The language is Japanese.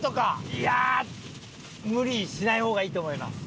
いやあ無理しない方がいいと思います。